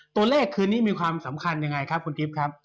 ตัวเลขคืนนี้มีความสำคัญยังไงครับคุณกิฟต์ครับ